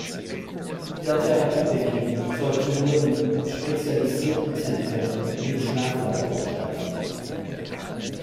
Der Therapiebeginn sollte nur in spezialisierten Zentren mit Schlaflabor stattfinden.